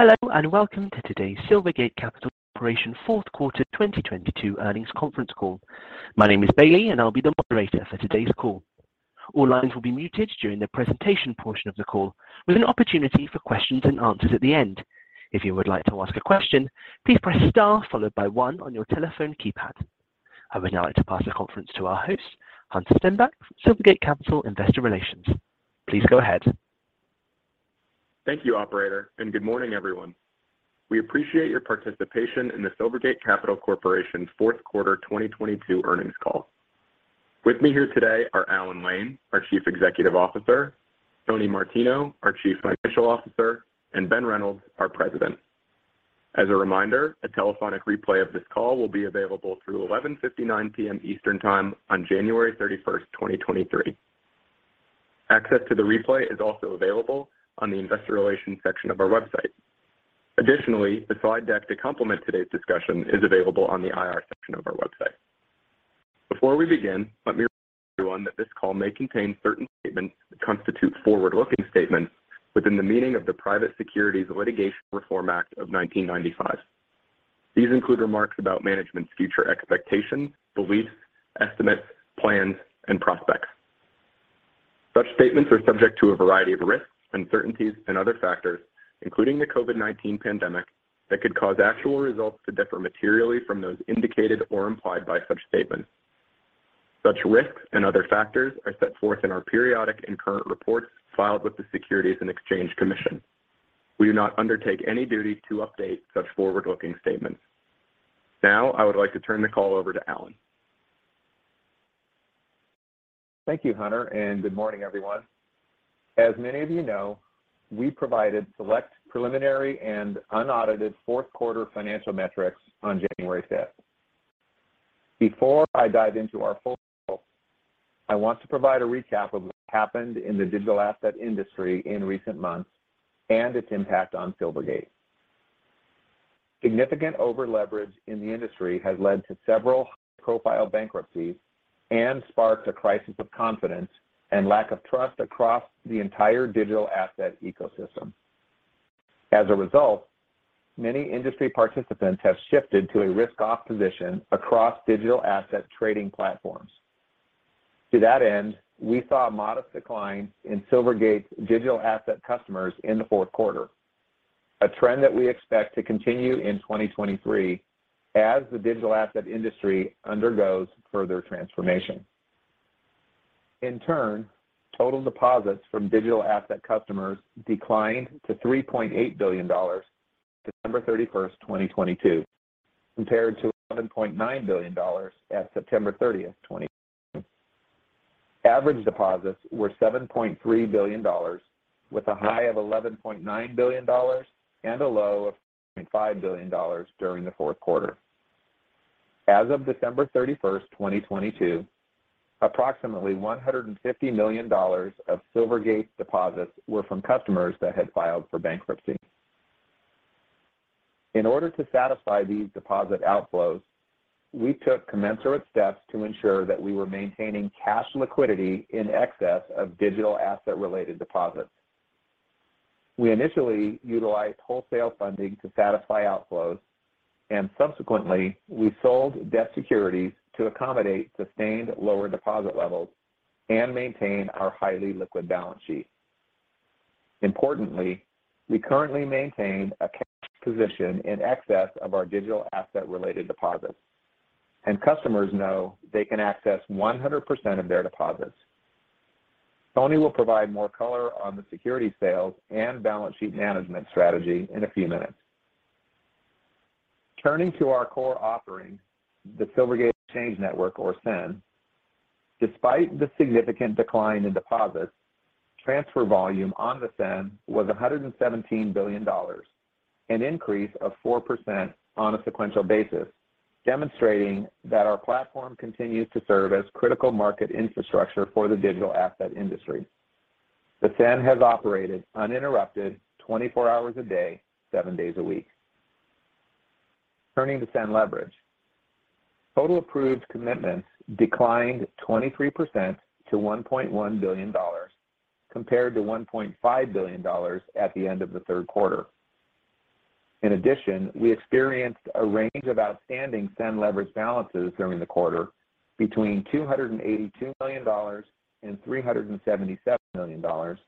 Hello and welcome to today's Silvergate Capital Corporation fourth quarter 2022 earnings conference call. My name is Bailey, and I'll be the operator for today's call. All lines will be muted during the presentation portion of the call with an opportunity for questions and answers at the end. If you would like to ask a question, please press star followed by one on your telephone keypad. I would now like to pass the conference to our host, Hunter Stenback from Silvergate Capital Investor Relations. Please go ahead. Thank you, operator. Good morning, everyone. We appreciate your participation in the Silvergate Capital Corporation fourth quarter 2022 earnings call. With me here today are Alan Lane, our Chief Executive Officer, Tony Martino, our Chief Financial Officer, and Ben Reynolds, our President. As a reminder, a telephonic replay of this call will be available through 11:59 P.M. Eastern Time on January 31st, 2023. Access to the replay is also available on the investor relations section of our website. The slide deck to complement today's discussion is available on the IR section of our website. Before we begin, let me remind everyone that this call may contain certain statements that constitute forward-looking statements within the meaning of the Private Securities Litigation Reform Act of 1995. These include remarks about management's future expectations, beliefs, estimates, plans, and prospects. Such statements are subject to a variety of risks, uncertainties and other factors, including the COVID-19 pandemic that could cause actual results to differ materially from those indicated or implied by such statements. Such risks and other factors are set forth in our periodic and current reports filed with the Securities and Exchange Commission. We do not undertake any duty to update such forward-looking statements. Now, I would like to turn the call over to Alan. Thank you, Hunter, and good morning, everyone. As many of you know, we provided select preliminary and unaudited fourth quarter financial metrics on January fifth. Before I dive into our full year results, I want to provide a recap of what happened in the digital asset industry in recent months and its impact on Silvergate. Significant over-leverage in the industry has led to several high-profile bankruptcies and sparked a crisis of confidence and lack of trust across the entire digital asset ecosystem. As a result, many industry participants have shifted to a risk-off position across digital asset trading platforms. To that end, we saw a modest decline in Silvergate's digital asset customers in the fourth quarter. A trend that we expect to continue in 2023 as the digital asset industry undergoes further transformation. In turn, total deposits from digital asset customers declined to $3.8 billion December 31, 2022, compared to $11.9 billion at September 30, 2022. Average deposits were $7.3 billion with a high of $11.9 billion and a low of $5.5 billion during the fourth quarter. As of December 31, 2022, approximately $150 million of Silvergate's deposits were from customers that had filed for bankruptcy. In order to satisfy these deposit outflows, we took commensurate steps to ensure that we were maintaining cash liquidity in excess of digital asset related deposits. We initially utilized wholesale funding to satisfy outflows and subsequently, we sold debt securities to accommodate sustained lower deposit levels and maintain our highly liquid balance sheet. Importantly, we currently maintain a cash position in excess of our digital asset related deposits, and customers know they can access 100% of their deposits. Tony will provide more color on the security sales and balance sheet management strategy in a few minutes. Turning to our core offering, the Silvergate Exchange Network or SEN, despite the significant decline in deposits, transfer volume on the SEN was $117 billion, an increase of 4% on a sequential basis, demonstrating that our platform continues to serve as critical market infrastructure for the digital asset industry. The SEN has operated uninterrupted 24 hours a day, seven days a week. Turning to SEN Leverage. Total approved commitments declined 23% to $1.1 billion compared to $1.5 billion at the end of the third quarter. We experienced a range of outstanding SEN Leverage balances during the quarter between $282 million and $377 million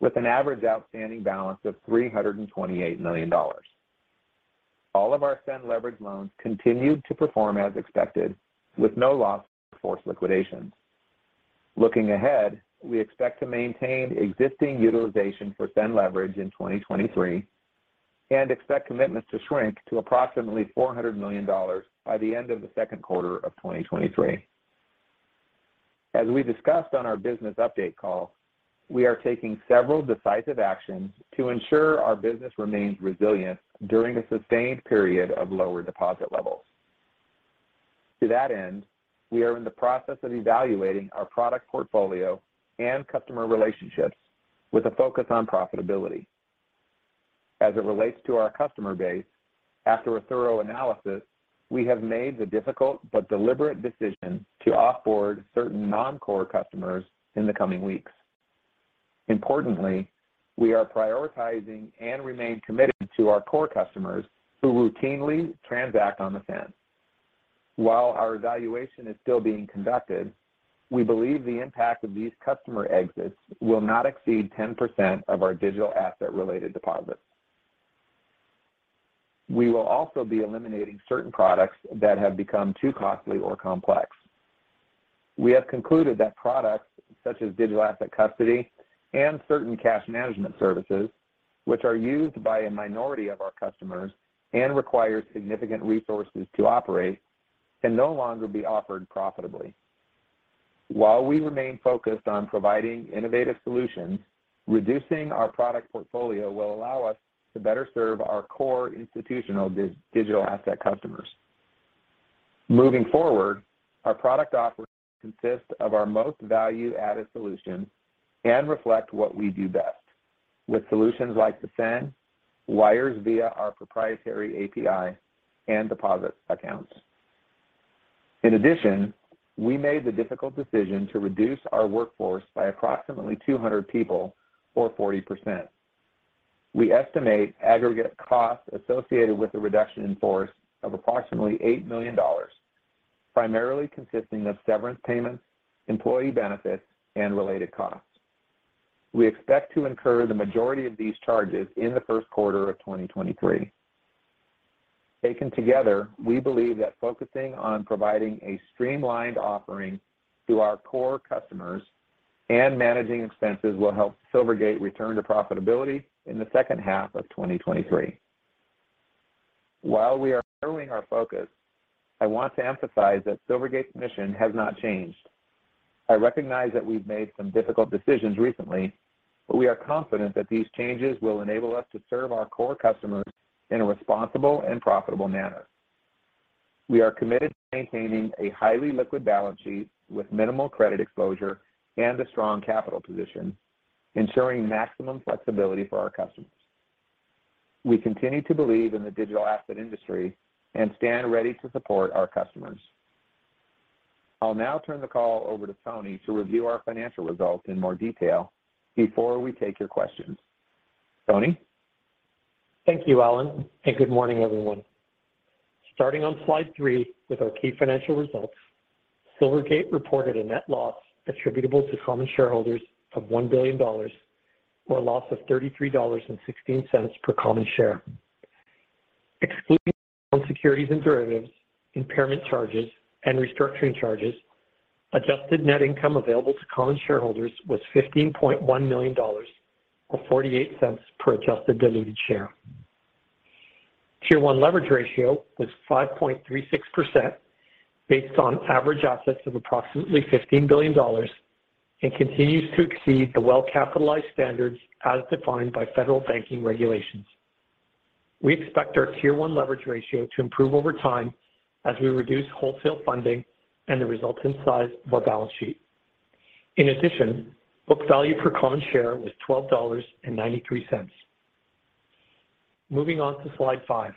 with an average outstanding balance of $328 million. All of our SEN Leverage loans continued to perform as expected with no loss to forced liquidations. Looking ahead, we expect to maintain existing utilization for SEN Leverage in 2023 and expect commitments to shrink to approximately $400 million by the end of the second quarter of 2023. As we discussed on our business update call, we are taking several decisive actions to ensure our business remains resilient during a sustained period of lower deposit levels. To that end, we are in the process of evaluating our product portfolio and customer relationships with a focus on profitability. As it relates to our customer base, after a thorough analysis, we have made the difficult but deliberate decision to off-board certain non-core customers in the coming weeks. Importantly, we are prioritizing and remain committed to our core customers who routinely transact on the SEN. While our evaluation is still being conducted, we believe the impact of these customer exits will not exceed 10% of our digital asset-related deposits. We will also be eliminating certain products that have become too costly or complex. We have concluded that products such as digital asset custody and certain cash management services, which are used by a minority of our customers and require significant resources to operate, can no longer be offered profitably. While we remain focused on providing innovative solutions, reducing our product portfolio will allow us to better serve our core institutional digital asset customers. Moving forward, our product offerings consist of our most value-added solutions and reflect what we do best with solutions like the SEN, wires via our proprietary API, and deposit accounts. In addition, we made the difficult decision to reduce our workforce by approximately 200 people or 40%. We estimate aggregate costs associated with the reduction in force of approximately $8 million, primarily consisting of severance payments, employee benefits, and related costs. We expect to incur the majority of these charges in the first quarter of 2023. Taken together, we believe that focusing on providing a streamlined offering to our core customers and managing expenses will help Silvergate return to profitability in the second half of 2023. While we are narrowing our focus, I want to emphasize that Silvergate's mission has not changed. I recognize that we've made some difficult decisions recently. We are confident that these changes will enable us to serve our core customers in a responsible and profitable manner. We are committed to maintaining a highly liquid balance sheet with minimal credit exposure and a strong capital position, ensuring maximum flexibility for our customers. We continue to believe in the digital asset industry and stand ready to support our customers. I'll now turn the call over to Tony to review our financial results in more detail before we take your questions. Tony. Thank you, Alan. Good morning, everyone. Starting on slide 3 with our key financial results, Silvergate reported a net loss attributable to common shareholders of $1 billion or a loss of $33.16 per common share. Excluding securities and derivatives, impairment charges, and restructuring charges, adjusted net income available to common shareholders was $15.1 million, or $0.48 per adjusted diluted share. Tier 1 leverage ratio was 5.36% based on average assets of approximately $15 billion and continues to exceed the well-capitalized standards as defined by federal banking regulations. We expect our Tier 1 leverage ratio to improve over time as we reduce wholesale funding and the resultant size of our balance sheet. In addition, book value per common share was $12.93. Moving on to slide 5.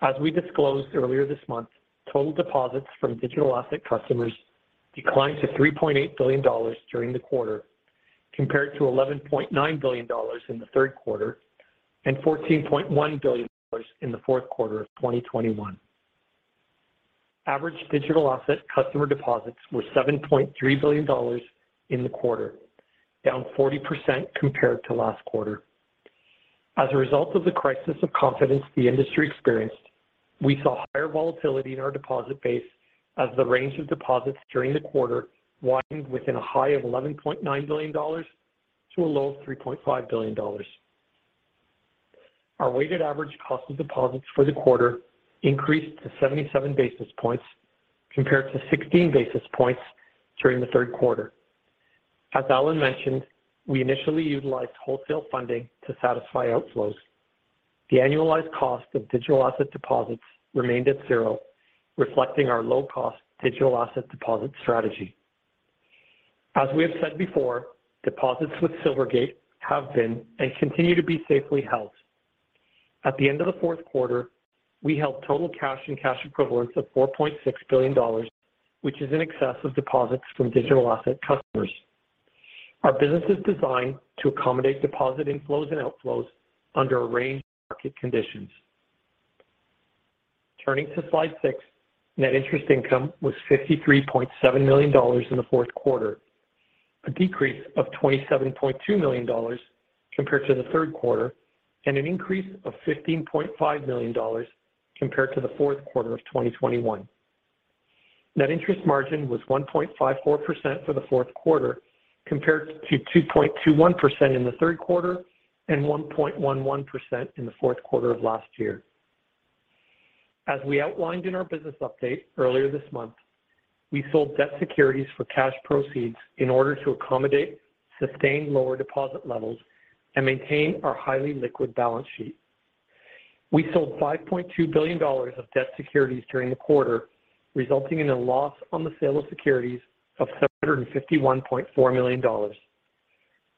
As we disclosed earlier this month, total deposits from digital asset customers declined to $3.8 billion during the quarter compared to $11.9 billion in the third quarter and $14.1 billion in the fourth quarter of 2021. Average digital asset customer deposits were $7.3 billion in the quarter, down 40% compared to last quarter. As a result of the crisis of confidence the industry experienced, we saw higher volatility in our deposit base as the range of deposits during the quarter widened within a high of $11.9 billion to a low of $3.5 billion. Our weighted average cost of deposits for the quarter increased to 77 basis points compared to 16 basis points during the third quarter. As Alan mentioned, we initially utilized wholesale funding to satisfy outflows. The annualized cost of digital asset deposits remained at 0, reflecting our low-cost digital asset deposit strategy. As we have said before, deposits with Silvergate have been and continue to be safely held. At the end of the fourth quarter, we held total cash and cash equivalents of $4.6 billion, which is in excess of deposits from digital asset customers. Our business is designed to accommodate deposit inflows and outflows under a range of market conditions. Turning to slide 6, net interest income was $53.7 million in the fourth quarter, a decrease of $27.2 million compared to the third quarter and an increase of $15.5 million compared to the fourth quarter of 2021. Net interest margin was 1.54% for the fourth quarter compared to 2.21% in the third quarter and 1.11% in the fourth quarter of last year. As we outlined in our business update earlier this month, we sold debt securities for cash proceeds in order to accommodate sustained lower deposit levels and maintain our highly liquid balance sheet. We sold $5.2 billion of debt securities during the quarter, resulting in a loss on the sale of securities of $751.4 million.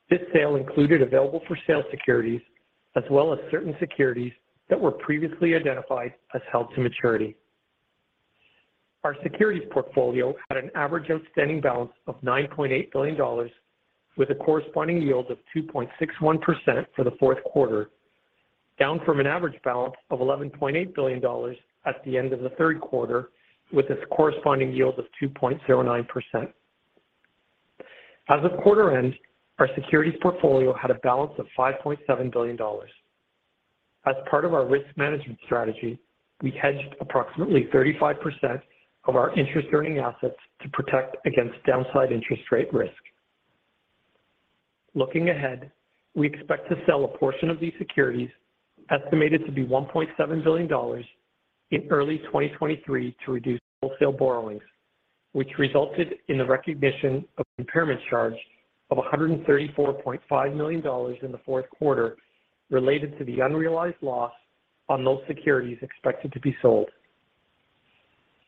This sale included Available-for-sale securities as well as certain securities that were previously identified as Held-to-maturity. Our securities portfolio had an average outstanding balance of $9.8 billion with a corresponding yield of 2.61% for the fourth quarter, down from an average balance of $11.8 billion at the end of the third quarter with a corresponding yield of 2.09%. As of quarter end, our securities portfolio had a balance of $5.7 billion. As part of our risk management strategy, we hedged approximately 35% of our interest earning assets to protect against downside interest rate risk. Looking ahead, we expect to sell a portion of these securities estimated to be $1.7 billion in early 2023 to reduce wholesale borrowings, which resulted in the recognition of impairment charge of $134.5 million in the fourth quarter related to the unrealized loss on those securities expected to be sold.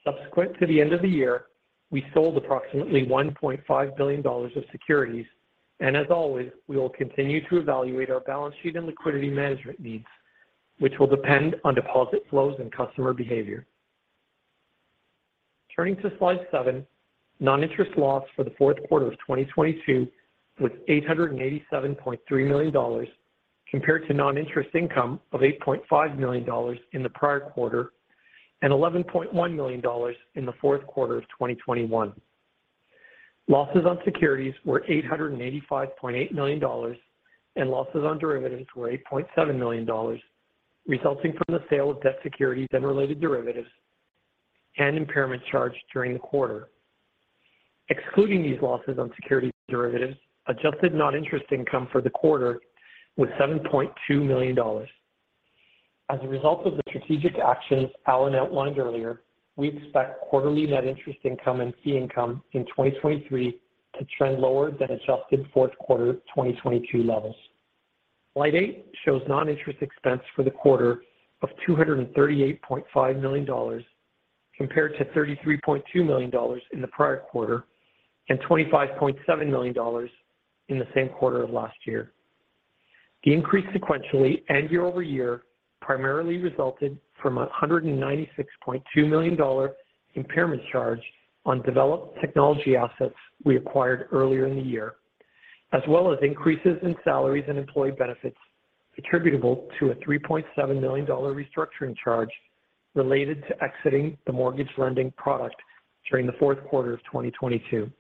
Subsequent to the end of the year, we sold approximately $1.5 billion of securities. As always, we will continue to evaluate our balance sheet and liquidity management needs, which will depend on deposit flows and customer behavior. Turning to slide 7. Non-interest loss for the fourth quarter of 2022 was $887.3 million compared to non-interest income of $8.5 million in the prior quarter and $11.1 million in the fourth quarter of 2021. Losses on securities were $885.8 million and losses on derivatives were $8.7 million, resulting from the sale of debt securities and related derivatives and impairment charge during the quarter. Excluding these losses on security derivatives, adjusted non-interest income for the quarter was $7.2 million. As a result of the strategic actions Alan outlined earlier, we expect quarterly net interest income and fee income in 2023 to trend lower than adjusted fourth quarter 2022 levels. Slide 8 shows non-interest expense for the quarter of $238.5 million compared to $33.2 million in the prior quarter and $25.7 million in the same quarter of last year. The increase sequentially and year-over-year primarily resulted from a $196.2 million impairment charge on developed technology assets we acquired earlier in the year, as well as increases in salaries and employee benefits attributable to a $3.7 million restructuring charge related to exiting the mortgage lending product during the fourth quarter of 2022.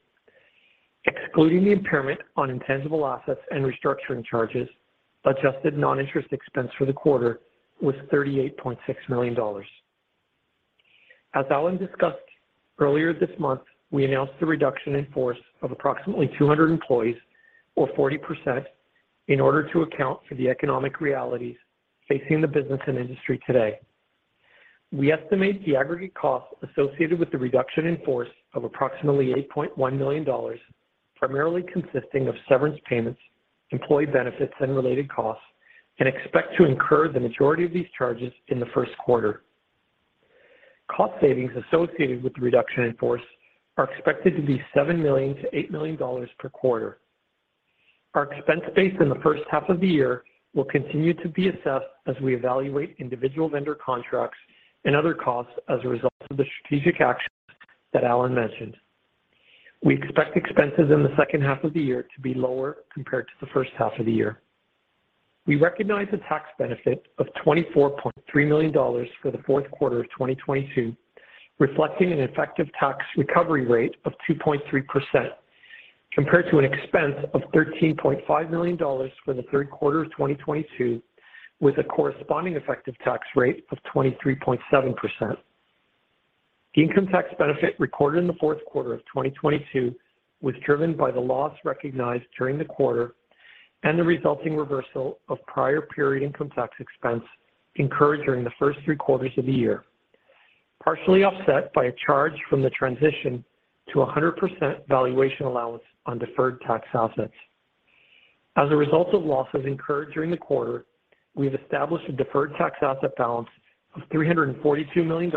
Excluding the impairment on intangible assets and restructuring charges, adjusted non-interest expense for the quarter was $38.6 million. As Alan discussed earlier this month, we announced a reduction in force of approximately 200 employees or 40% in order to account for the economic realities facing the business and industry today. We estimate the aggregate cost associated with the reduction in force of approximately $8.1 million, primarily consisting of severance payments, employee benefits, and related costs, and expect to incur the majority of these charges in the first quarter. Cost savings associated with the reduction in force are expected to be $7 million-$8 million per quarter. Our expense base in the first half of the year will continue to be assessed as we evaluate individual vendor contracts and other costs as a result of the strategic actions that Alan mentioned. We expect expenses in the second half of the year to be lower compared to the first half of the year. We recognize a tax benefit of $24.3 million for the fourth quarter of 2022, reflecting an effective tax recovery rate of 2.3% compared to an expense of $13.5 million for the third quarter of 2022, with a corresponding effective tax rate of 23.7%. The income tax benefit recorded in the fourth quarter of 2022 was driven by the loss recognized during the quarter and the resulting reversal of prior period income tax expense incurred during the first three quarters of the year, partially offset by a charge from the transition to a 100% valuation allowance on deferred tax assets. As a result of losses incurred during the quarter, we have established a deferred tax asset balance of $342 million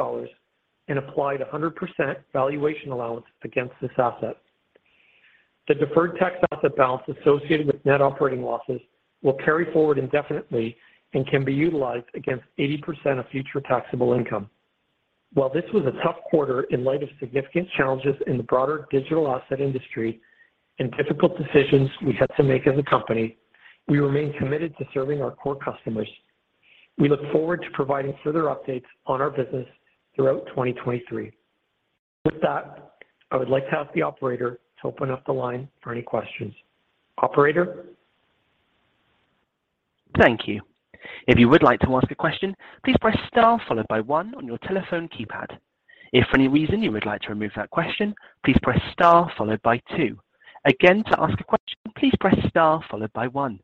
and applied a 100% valuation allowance against this asset. The Deferred tax asset balance associated with Net operating losses will carry forward indefinitely and can be utilized against 80% of future taxable income. While this was a tough quarter in light of significant challenges in the broader digital asset industry and difficult decisions we had to make as a company, we remain committed to serving our core customers. We look forward to providing further updates on our business throughout 2023. With that, I would like to ask the operator to open up the line for any questions. Operator? Thank you. If you would like to ask a question, please press star followed by one on your telephone keypad. If for any reason you would like to remove that question, please press star followed by two. Again, to ask a question, please press star followed by one.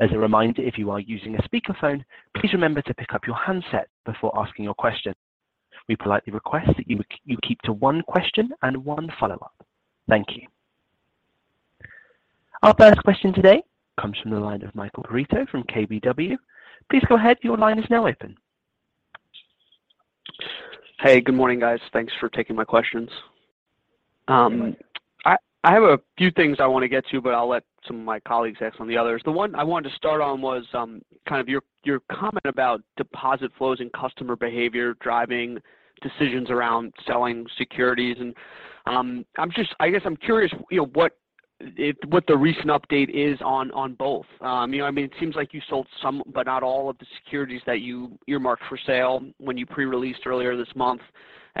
As a reminder, if you are using a speakerphone, please remember to pick up your handset before asking your question. We politely request that you keep to one question and one follow-up. Thank you. Our first question today comes from the line of Michael Perito from KBW. Please go ahead. Your line is now open. Hey, good morning, guys. Thanks for taking my questions. I have a few things I wanna get to, but I'll let some of my colleagues ask some of the others. The one I wanted to start on was kind of your comment about deposit flows and customer behavior driving decisions around selling securities. I guess I'm curious, you know, what the recent update is on both. You know, I mean, it seems like you sold some but not all of the securities that you earmarked for sale when you pre-released earlier this month.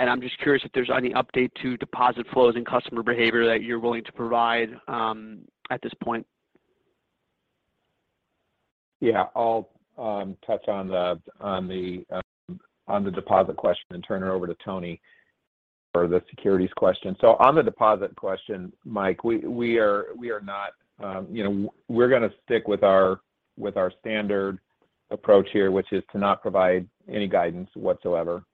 I'm just curious if there's any update to deposit flows and customer behavior that you're willing to provide at this point. Yeah. I'll touch on the on the on the deposit question and turn it over to Tony for the securities question. On the deposit question, Mike, we are not, you know, we're gonna stick with our standard approach here, which is to not provide any guidance whatsoever.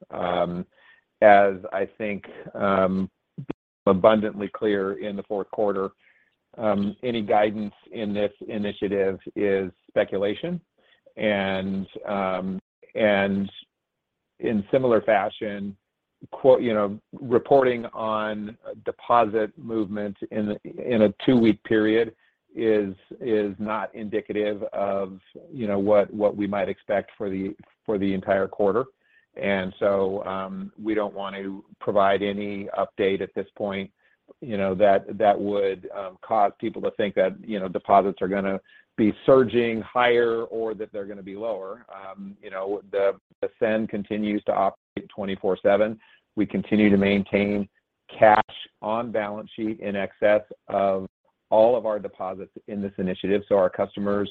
As I think abundantly clear in the fourth quarter, any guidance in this initiative is speculation. In similar fashion, quote, you know, reporting on deposit movement in a two-week period is not indicative of, you know, what we might expect for the entire quarter. We don't want to provide any update at this point, you know, that would cause people to think that, you know, deposits are gonna be surging higher or that they're gonna be lower. You know, the SEN continues to operate 24/7. We continue to maintain cash on balance sheet in excess of all of our deposits in this initiative, so our customers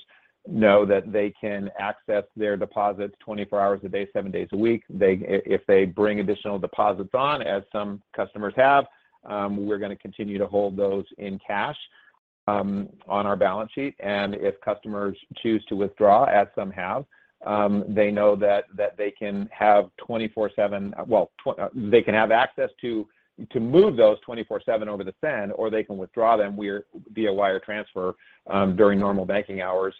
know that they can access their deposits 24 hours a day, seven days a week. If they bring additional deposits on, as some customers have, we're gonna continue to hold those in cash on our balance sheet. If customers choose to withdraw, as some have, they know Well, they can have access to move those 24/7 over the SEN, or they can withdraw them via wire transfer during normal banking hours.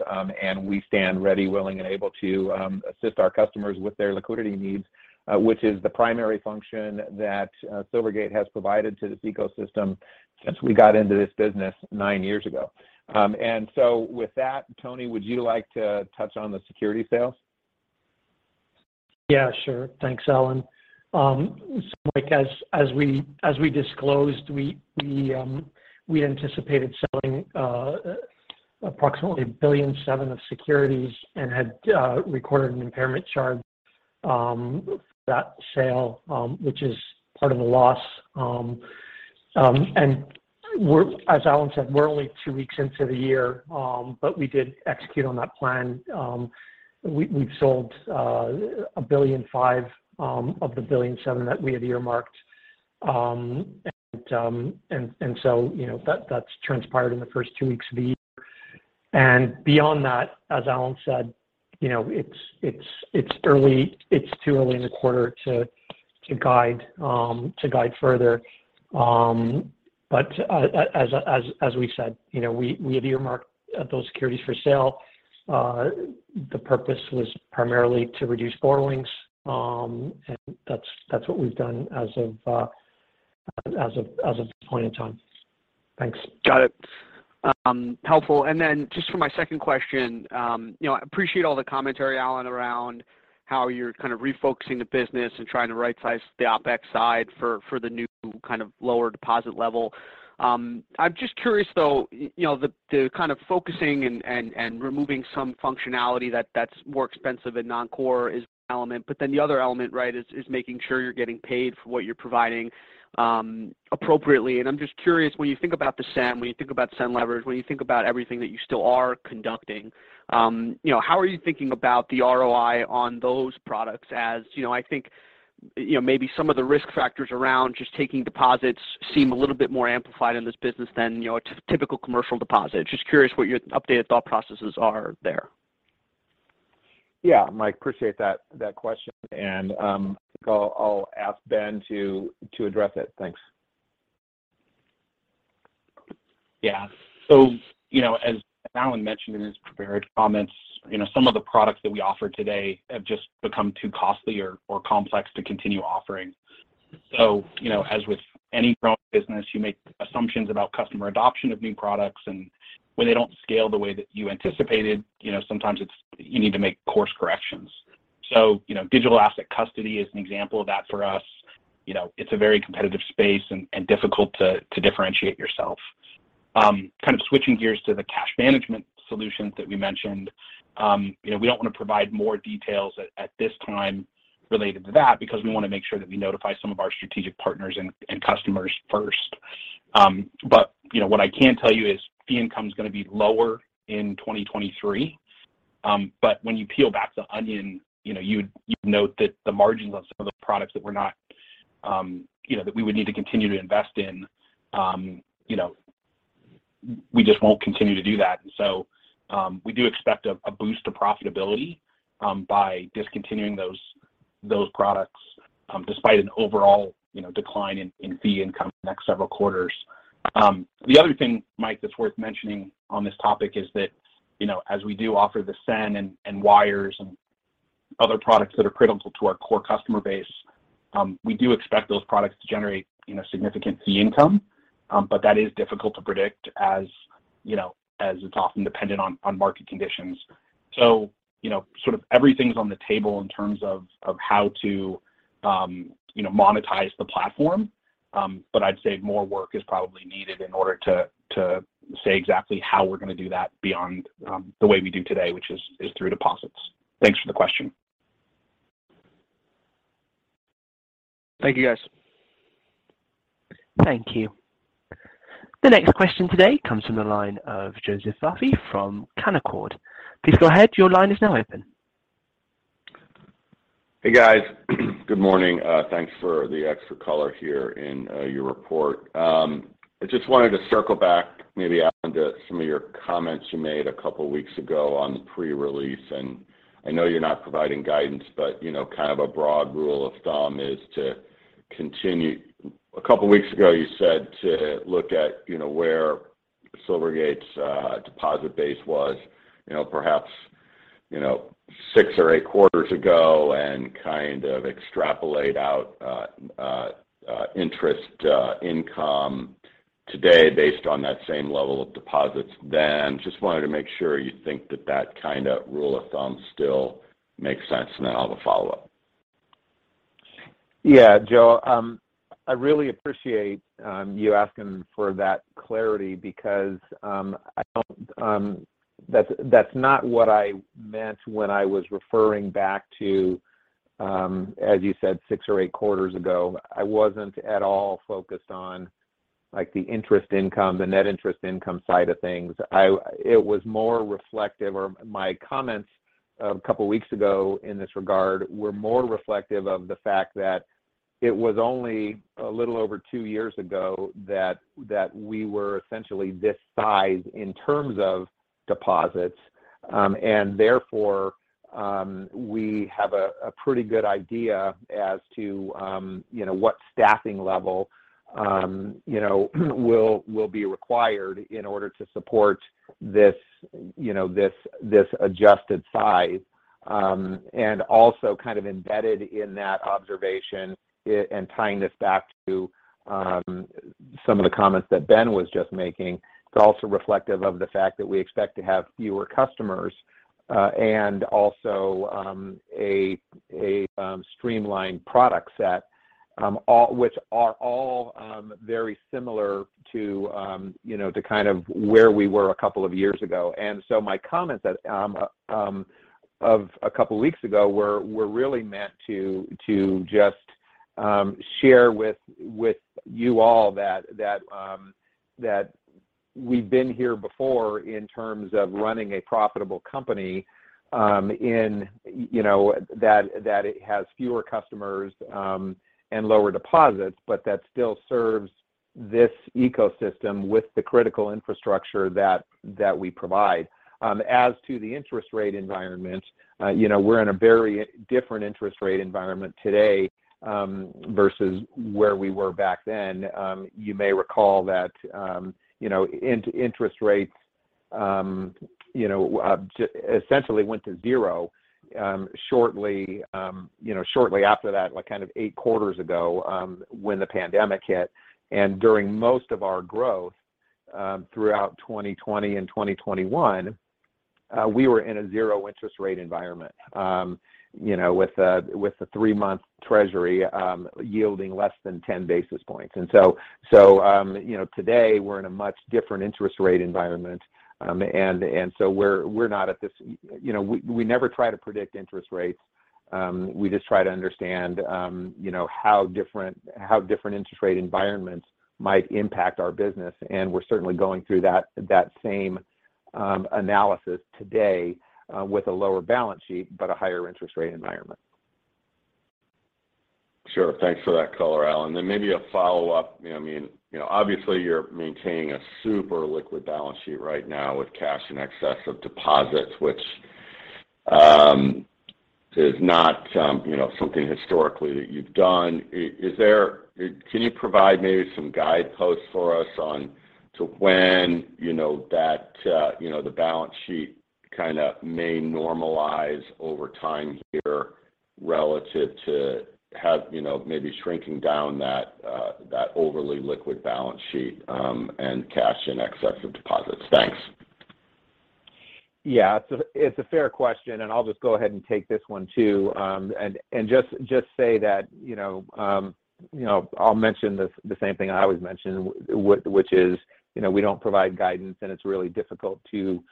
We stand ready, willing, and able to, assist our customers with their liquidity needs, which is the primary function that Silvergate has provided to this ecosystem since we got into this business nine years ago. With that, Tony, would you like to touch on the security sales? Yeah, sure. Thanks, Alan. Mike, as we disclosed, we anticipated selling approximately $1.7 billion of securities and had recorded an impairment charge for that sale, which is part of a loss. As Alan said, we're only two weeks into the year, but we did execute on that plan. We've sold $1.5 billion of the $1.7 billion that we had earmarked. You know, that's transpired in the first two weeks of the year. Beyond that, as Alan said, you know, it's early. It's too early in the quarter to guide further. As we said, you know, we have earmarked those securities for sale. The purpose was primarily to reduce borrowings. That's what we've done as of this point in time. Thanks. Got it. Helpful. Just for my second question, you know, I appreciate all the commentary, Alan, around how you're kind of refocusing the business and trying to right-size the OpEx side for the new kind of lower deposit level. I'm just curious, though, you know, the kind of focusing and removing some functionality that's more expensive and non-core is an element, but then the other element, right, is making sure you're getting paid for what you're providing appropriately. I'm just curious, when you think about the SEN, when you think about SEN Leverage, when you think about everything that you still are conducting, you know, how are you thinking about the ROI on those products? You know, I think, you know, maybe some of the risk factors around just taking deposits seem a little bit more amplified in this business than, you know, a typical commercial deposit. Just curious what your updated thought processes are there. Yeah. Mike, appreciate that question, and I think I'll ask Ben to address it. Thanks. Yeah. You know, as Alan mentioned in his prepared comments, you know, some of the products that we offer today have just become too costly or complex to continue offering. You know, as with any growing business, you make assumptions about customer adoption of new products, and when they don't scale the way that you anticipated, you know, sometimes you need to make course corrections. You know, digital asset custody is an example of that for us. You know, it's a very competitive space and difficult to differentiate yourself. Kind of switching gears to the cash management solutions that we mentioned, you know, we don't wanna provide more details at this time related to that because we wanna make sure that we notify some of our strategic partners and customers first. You know, what I can tell you is fee income's gonna be lower in 2023. When you peel back the onion, you know, you'd note that the margins on some of the products that we're not, you know, that we would need to continue to invest in, you know, we just won't continue to do that. We do expect a boost to profitability by discontinuing those products, despite an overall, you know, decline in fee income the next several quarters. The other thing, Mike, that's worth mentioning on this topic is that, you know, as we do offer the SEN and wires and other products that are critical to our core customer base, we do expect those products to generate, you know, significant fee income, but that is difficult to predict as you know, as it's often dependent on market conditions. You know, sort of everything's on the table in terms of how to, you know, monetize the platform. I'd say more work is probably needed in order to say exactly how we're gonna do that beyond, the way we do today, which is through deposits. Thanks for the question. Thank you, guys. Thank you. The next question today comes from the line of Joseph Duffy from Canaccord. Please go ahead. Your line is now open. Hey, guys. Good morning. thanks for the extra color here in your report. I just wanted to circle back maybe on to some of your comments you made a couple weeks ago on the pre-release. I know you're not providing guidance, but you know kind of a broad rule of thumb is to continue... A couple weeks ago, you said to look at, you know, where Silvergate's deposit base was, you know, perhaps, you know, six or eight quarters ago and kind of extrapolate out interest income today based on that same level of deposits then. Just wanted to make sure you think that that kind of rule of thumb still makes sense. Then I'll have a follow-up. Yeah. Joe, I really appreciate you asking for that clarity because I don't. That's not what I meant when I was referring back to, as you said, six or eight quarters ago. I wasn't at all focused on, like, the interest income, the net interest income side of things. It was more reflective, or my comments a couple of weeks ago in this regard were more reflective of the fact that it was only a little over two years ago that we were essentially this size in terms of deposits. Therefore, we have a pretty good idea as to, you know, what staffing level, you know, will be required in order to support this, you know, adjusted size. Also kind of embedded in that observation and tying this back to some of the comments that Ben was just making, it's also reflective of the fact that we expect to have fewer customers, and also a streamlined product set, which are all very similar to you know, to kind of where we were a couple of years ago. My comments that of a couple of weeks ago were really meant to just share with you all that we've been here before in terms of running a profitable company, you know, that it has fewer customers and lower deposits, but that still serves this ecosystem with the critical infrastructure that we provide. As to the interest rate environment, you know, we're in a very different interest rate environment today, versus where we were back then. You may recall that, you know, interest rates, you know, essentially went to zero, shortly, you know, shortly after that, like kind of eight quarters ago, when the pandemic hit. During most of our growth, throughout 2020 and 2021, we were in a zero interest rate environment, you know, with a, with a three-month Treasury, yielding less than 10 basis points. You know, today we're in a much different interest rate environment, and so we're not at this. You know, we never try to predict interest rates. We just try to understand, you know, how different interest rate environments might impact our business, and we're certainly going through that same analysis today with a lower balance sheet but a higher interest rate environment. Sure. Thanks for that color, Alan. Maybe a follow-up. You know what I mean? You know, obviously you're maintaining a super liquid balance sheet right now with cash in excess of deposits, which is not, you know, something historically that you've done. Is there, can you provide maybe some guideposts for us on to when you know that, you know, the balance sheet kinda may normalize over time here relative to have, you know, maybe shrinking down that overly liquid balance sheet, and cash in excess of deposits? Thanks. Yeah. It's a fair question, and I'll just go ahead and take this one too, and just say that, you know, I'll mention the same thing I always mention, which is, you know, we don't provide guidance, and it's really difficult to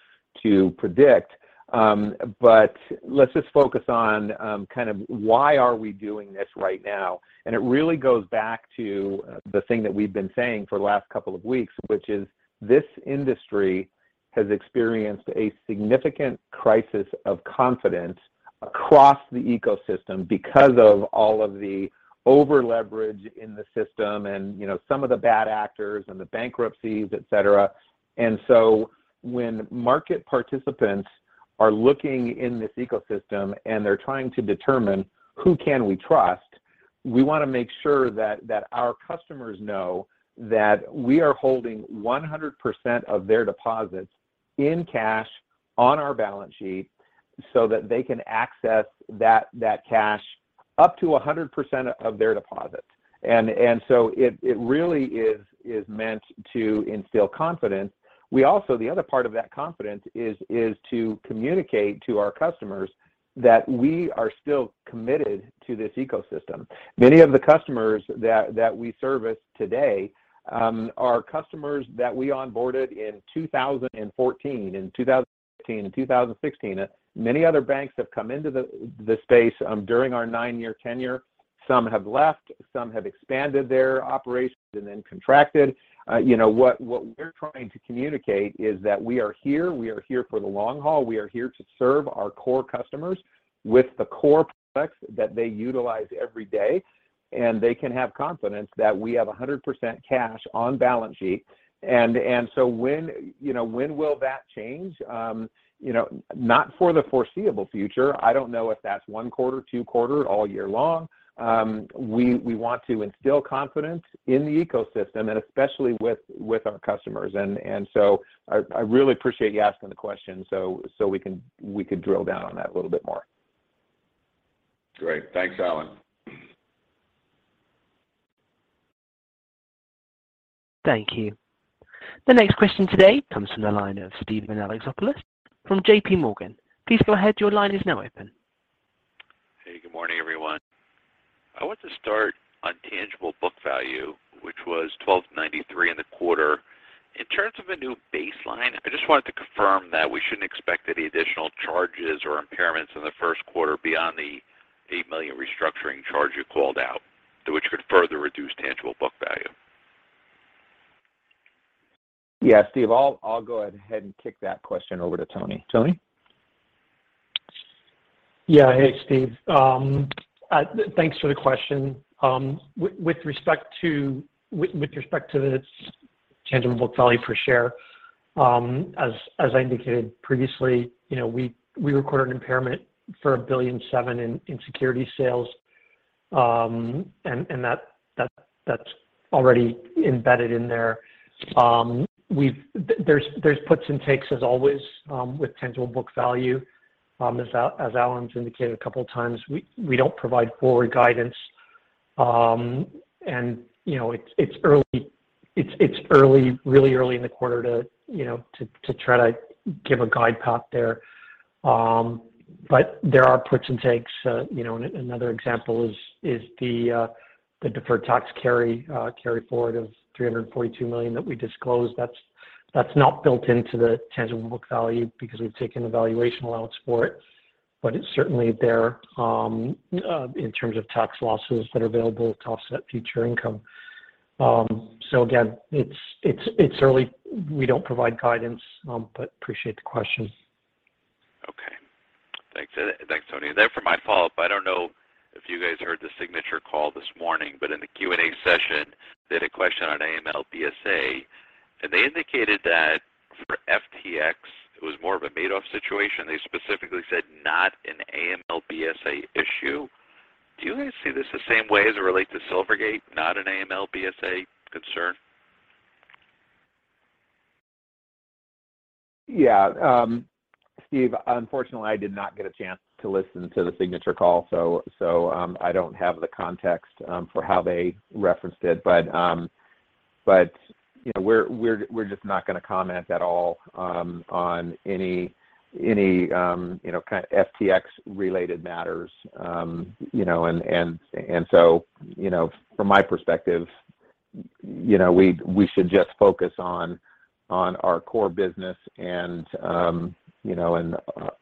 predict. Let's just focus on kind of why are we doing this right now? It really goes back to the thing that we've been saying for the last couple of weeks, which is this industry has experienced a significant crisis of confidence across the ecosystem because of all of the over-leverage in the system and, you know, some of the bad actors and the bankruptcies, et cetera. When market participants are looking in this ecosystem, and they're trying to determine who can we trust? We wanna make sure that our customers know that we are holding 100% of their deposits in cash on our balance sheet so that they can access that cash up to 100% of their deposits. It really is meant to instill confidence. The other part of that confidence is to communicate to our customers that we are still committed to this ecosystem. Many of the customers that we service today are customers that we onboarded in 2014, in 2015, in 2016. Many other banks have come into the space during our nine-year tenure. Some have left, some have expanded their operations and then contracted. You know, what we're trying to communicate is that we are here. We are here for the long haul. We are here to serve our core customers with the core products that they utilize every day, and they can have confidence that we have 100% cash on balance sheet. When, you know, when will that change? You know, not for the foreseeable future. I don't know if that's one quarter, two quarter, all year long. We want to instill confidence in the ecosystem and especially with our customers. I really appreciate you asking the question so we could drill down on that a little bit more. Great. Thanks, Alan. Thank you. The next question today comes from the line of Steven Alexopoulos from JPMorgan. Please go ahead. Your line is now open. Hey, good morning, everyone. I want to start on tangible book value, which was $1,293 in the quarter. In terms of a new baseline, I just wanted to confirm that we shouldn't expect any additional charges or impairments in the first quarter beyond the $8 million restructuring charge you called out, which could further reduce tangible book value. Yeah, Steve, I'll go ahead and kick that question over to Tony. Tony? Yeah. Hey, Steve. Thanks for the question. With respect to the tangible book value per share, as I indicated previously, you know, we recorded an impairment for $1.7 billion in security sales, and that's already embedded in there. There's puts and takes as always with tangible book value. As Alan's indicated a couple of times, we don't provide forward guidance, and, you know, it's early. It's early, really early in the quarter to, you know, to try to give a guide path there. There are puts and takes. You know, another example is the deferred tax carry forward of $342 million that we disclosed. That's not built into the tangible book value because we've taken a valuation allowance for it, but it's certainly there in terms of tax losses that are available to offset future income. Again, it's early. We don't provide guidance, appreciate the question. Okay. Thanks. Thanks, Tony. For my follow-up, I don't know if you guys heard the Signature call this morning, in the Q&A session, they had a question on AML/BSA. They indicated that for FTX, it was more of a Madoff situation. They specifically said not an AML/BSA issue. Do you guys see this the same way as it relates to Silvergate, not an AML/BSA concern? Yeah. Steve, unfortunately, I did not get a chance to listen to the Signature call, so, I don't have the context, for how they referenced it. You know, we're just not gonna comment at all, on any, you know, kind of FTX related matters. You know, from my perspective, you know, we should just focus on our core business and, you know, and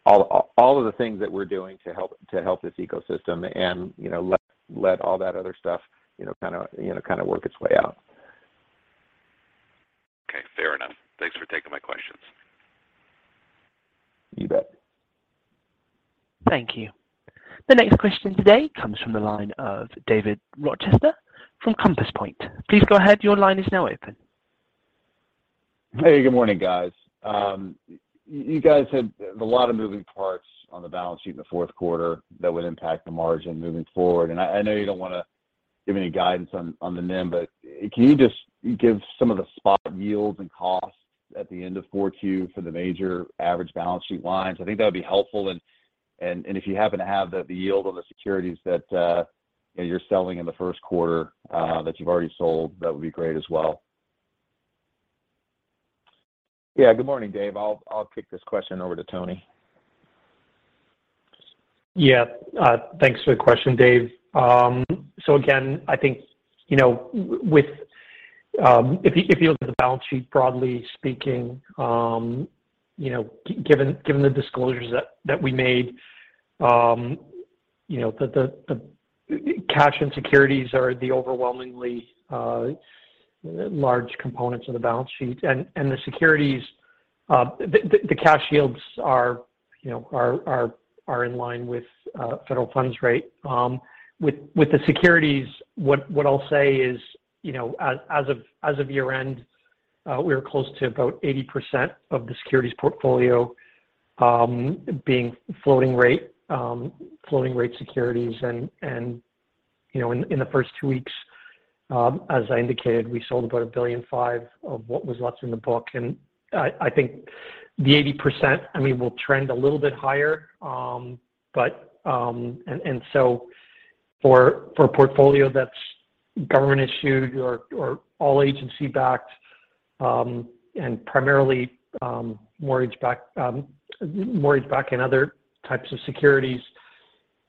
all of the things that we're doing to help this ecosystem and, you know, let all that other stuff, you know, kinda, you know, kinda work its way out. Okay. Fair enough. Thanks for taking my questions. You bet. Thank you. The next question today comes from the line of David Rochester from Compass Point. Please go ahead. Your line is now open. Hey, good morning, guys. You guys had a lot of moving parts on the balance sheet in the fourth quarter that would impact the margin moving forward. I know you don't wanna give any guidance on the NIM, but can you just give some of the spot yields and costs at the end of 4Q '22 for the major average balance sheet lines? I think that would be helpful. If you happen to have the yield on the securities that, you know, you're selling in the first quarter that you've already sold, that would be great as well. Yeah. Good morning, Dave. I'll kick this question over to Tony. Thanks for the question, Dave. Again, I think, you know, if you, if you look at the balance sheet, broadly speaking, you know, given the disclosures that we made, you know, the, the cash and securities are the overwhelmingly large components of the balance sheet. The securities, the, the cash yields are, you know, are, are in line with federal funds rate. With, with the securities, what I'll say is, you know, as of, as of year-end, we were close to about 80% of the securities portfolio being floating rate, floating rate securities. You know, in the first two weeks, as I indicated, we sold about $1.5 billion of what was left in the book. I think the 80%, I mean, will trend a little bit higher. For a portfolio that's government-issued or all agency-backed, and primarily mortgage-backed and other types of securities,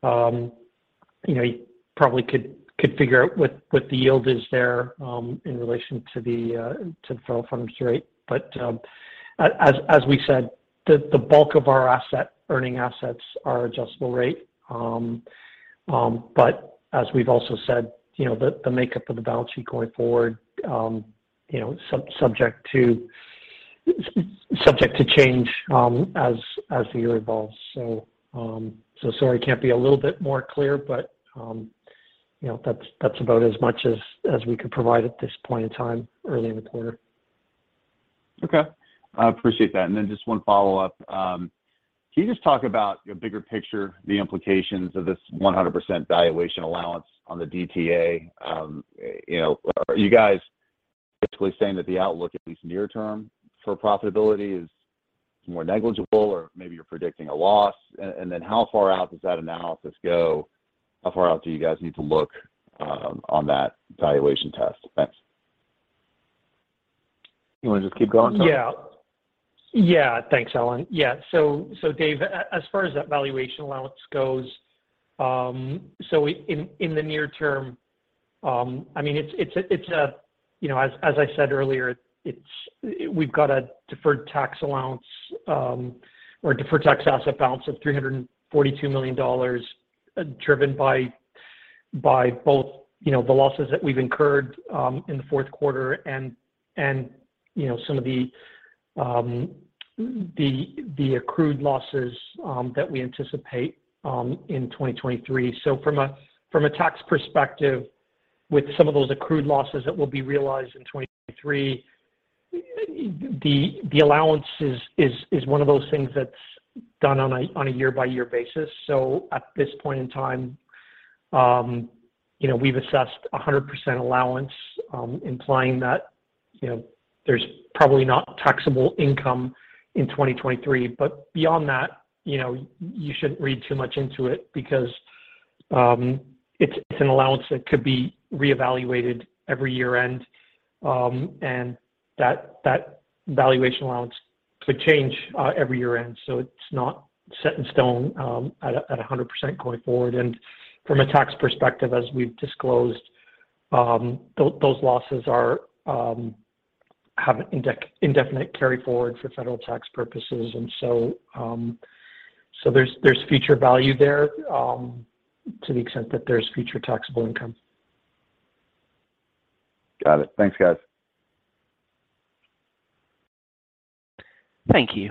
you know, you probably could figure out what the yield is there, in relation to the federal funds rate. As we said, the bulk of our earning assets are adjustable rate. As we've also said, you know, the makeup of the balance sheet going forward, you know, subject to change, as the year evolves. Sorry I can't be a little bit more clear, but, you know, that's about as much as we could provide at this point in time early in the quarter. Okay. I appreciate that. Just one follow-up. Can you just talk about, you know, bigger picture, the implications of this 100% valuation allowance on the DTA? You know, are you guys basically saying that the outlook, at least near term, for profitability is more negligible or maybe you're predicting a loss? How far out does that analysis go? How far out do you guys need to look on that valuation test? Thanks. You wanna just keep going, Tony? Thanks, Alan. Dave, as far as that valuation allowance goes, in the near term, I mean, it's a. You know, as I said earlier, we've got a deferred tax allowance, or a Deferred tax asset balance of $342 million driven by both, you know, the losses that we've incurred in the fourth quarter and, you know, some of the accrued losses that we anticipate in 2023. From a tax perspective, with some of those accrued losses that will be realized in 2023, the allowance is one of those things that's done on a year-by-year basis. At this point in time, you know, we've assessed a 100% allowance, implying that, you know, there's probably not taxable income in 2023. Beyond that, you know, you shouldn't read too much into it because it's an allowance that could be reevaluated every year-end. That valuation allowance could change every year-end. It's not set in stone at a 100% going forward. From a tax perspective, as we've disclosed, those losses are have an indefinite carry forward for federal tax purposes. There's future value there to the extent that there's future taxable income. Got it. Thanks, guys. Thank you.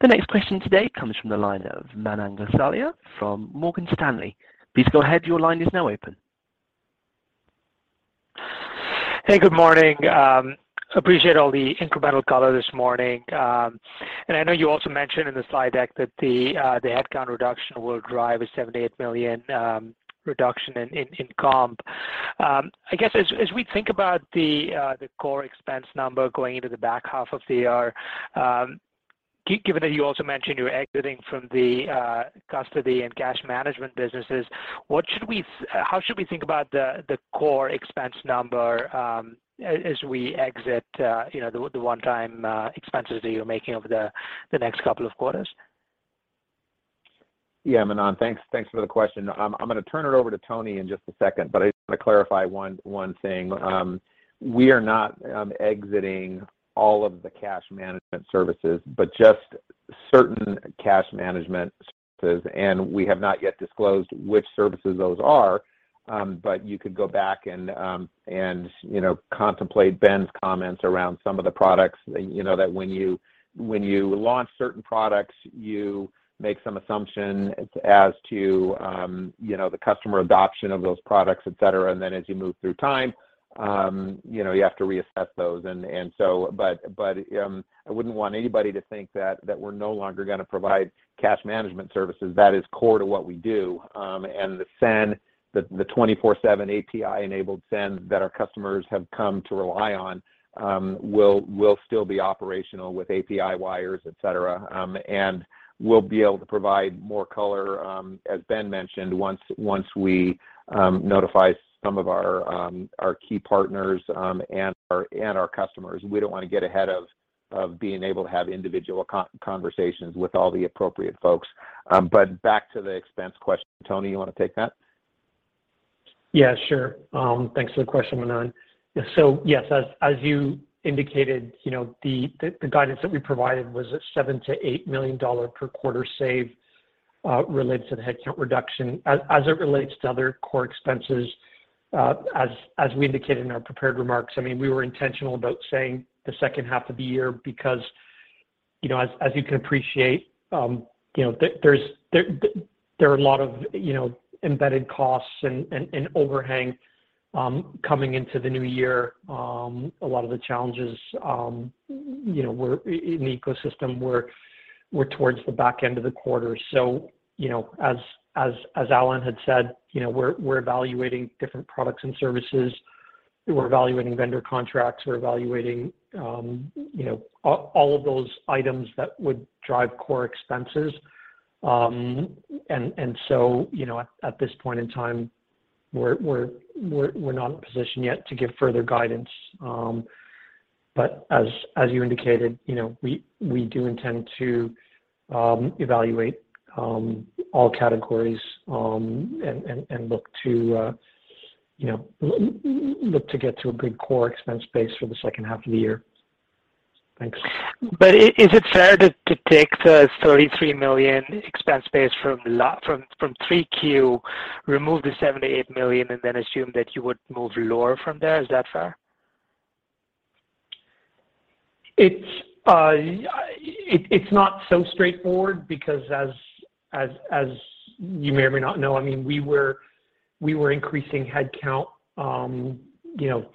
The next question today comes from the line of Manan Gosalia from Morgan Stanley. Please go ahead. Your line is now open. Hey, good morning. Appreciate all the incremental color this morning. I know you also mentioned in the slide deck that the headcount reduction will drive a $7 million-$8 million reduction in comp. I guess as we think about the core expense number going into the back half of the year, given that you also mentioned you're exiting from the custody and cash management businesses, how should we think about the core expense number as we exit, you know, the one-time expenses that you're making over the next couple of quarters? Yeah. Manan, thanks. Thanks for the question. I'm gonna turn it over to Tony in just a second, but I just want to clarify one thing. We are not exiting all of the cash management services, but just certain cash management services. We have not yet disclosed which services those are. You could go back and, you know, contemplate Ben's comments around some of the products. You know that when you, when you launch certain products, you make some assumption as to, you know, the customer adoption of those products, et cetera. Then as you move through time, you know, you have to reassess those. I wouldn't want anybody to think that we're no longer gonna provide cash management services. That is core to what we do. The SEN, the 24/7 API-enabled SEN that our customers have come to rely on, will still be operational with API wires, et cetera. We'll be able to provide more color, as Ben mentioned, once we notify some of our key partners and our customers. We don't wanna get ahead of being able to have individual conversations with all the appropriate folks. Back to the expense question. Tony, you wanna take that? Yeah, sure. Thanks for the question, Manan. Yes, as you indicated, you know, the guidance that we provided was a $7 million-$8 million per quarter save related to the headcount reduction. As it relates to other core expenses, as we indicated in our prepared remarks, I mean, we were intentional about saying the second half of the year. You know, as you can appreciate, you know, there are a lot of, you know, embedded costs and overhang coming into the new year. A lot of the challenges, you know, in the ecosystem were towards the back end of the quarter. You know, as Alan had said, you know, We're evaluating different products and services. We're evaluating vendor contracts. We're evaluating, you know, all of those items that would drive core expenses. You know, at this point in time we're not in a position yet to give further guidance. As you indicated, you know, we do intend to evaluate all categories, and look to, you know, look to get to a good core expense base for the second half of the year. Thanks. Is it fair to take the $33 million expense base from three Q, remove the $78 million, and then assume that you would move lower from there? Is that fair? It's not so straightforward because as you may or may not know, I mean, we were increasing headcount, you know,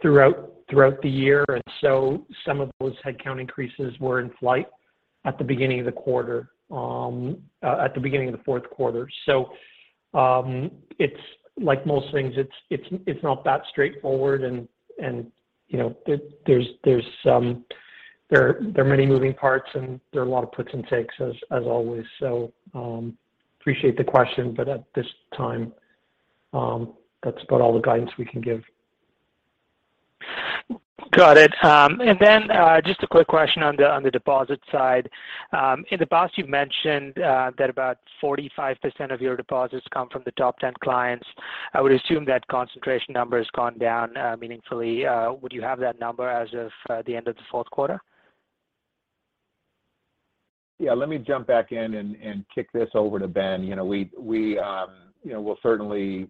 throughout the year. Some of those headcount increases were in flight at the beginning of the quarter, at the beginning of the fourth quarter. It's like most things, it's not that straightforward and, you know, there are many moving parts, and there are a lot of puts and takes as always. Appreciate the question, but at this time, that's about all the guidance we can give. Got it. Just a quick question on the, on the deposit side. In the past you've mentioned, that about 45% of your deposits come from the top 10 clients. I would assume that concentration number has gone down, meaningfully. Would you have that number as of, the end of the fourth quarter? Yeah, let me jump back in and kick this over to Ben. You know, we'll certainly